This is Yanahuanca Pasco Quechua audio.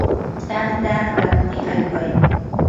tanta rantiq ayway.